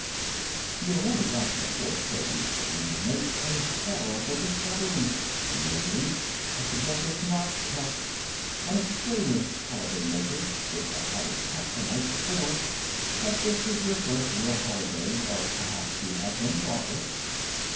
You have only got to the fourth page, when you make a horrible discovery namely, that the book is not cut. An experienced holiday maker would have had it cut the night before, but this is your first real holiday, or perhaps you have been thoughtless.